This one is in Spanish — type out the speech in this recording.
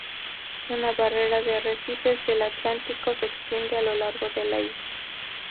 Una barrera de arrecifes del Atlántico se extiende a lo largo de la isla.